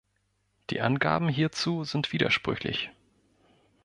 Die Angaben hierzu sind widersprüchlich.